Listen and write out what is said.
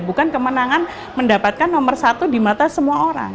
bukan kemenangan mendapatkan nomor satu di mata semua orang